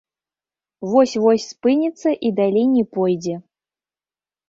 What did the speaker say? Вось-вось спыніцца і далей не пойдзе.